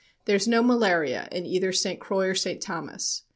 There is no malaria in either St. Croix or St. Thomas.